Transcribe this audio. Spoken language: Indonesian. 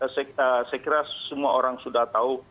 saya kira semua orang sudah tahu